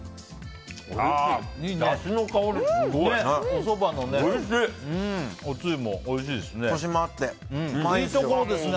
だしの香りがすごい。おつゆもおいしいですね。